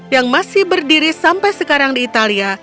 yang masih berdiri sampai sekarang di italia